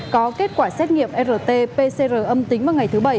có kết quả xét nghiệm rt pcr âm tính vào ngày thứ bảy